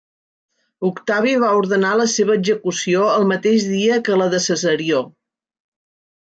Octavi va ordenar la seva execució el mateix dia que la de Cesarió.